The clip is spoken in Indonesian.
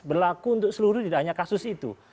berlaku untuk seluruh tidak hanya kasus itu